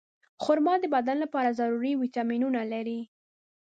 خرما د بدن لپاره ضروري ویټامینونه لري.